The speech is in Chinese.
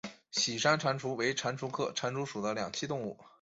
喜山蟾蜍为蟾蜍科蟾蜍属的两栖动物。